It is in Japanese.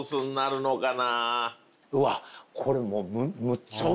うわこれもう。